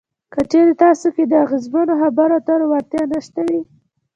که چېرې تاسې کې د اغیزمنو خبرو اترو وړتیا نشته وي.